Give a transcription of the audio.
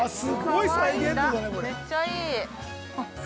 めっちゃいい。